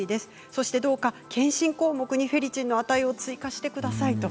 そしてどうか検診項目にフェリチンの値を追加してください